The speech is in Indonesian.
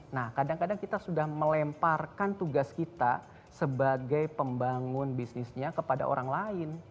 nah kadang kadang kita sudah melemparkan tugas kita sebagai pembangun bisnisnya kepada orang lain